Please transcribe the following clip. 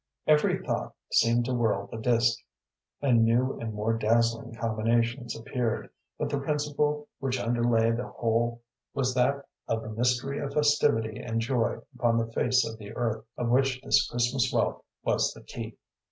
Every thought seemed to whirl the disk, and new and more dazzling combinations appeared, but the principle which underlay the whole was that of the mystery of festivity and joy upon the face of the earth, of which this Christmas wealth was the key.